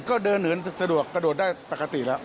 ก็เดินเหอะสะดวกกระโดดนะเองก็ปกติแล้ว